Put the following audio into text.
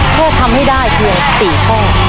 แค่ทำให้ได้เพียง๔ข้อ